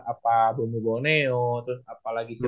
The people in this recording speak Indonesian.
apa bomi boneo terus apalagi si